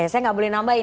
saya gak boleh nambahin